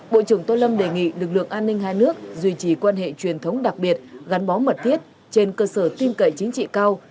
bộ trưởng tô lâm đề nghị lực lượng an ninh hai nước duy trì quan hệ truyền thống đặc biệt gắn bó mật thiết trên cơ sở tiêm cậy chính trị cao